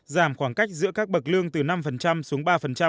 giảm khoảng cách giữa các bậc lương từ năm xuống ba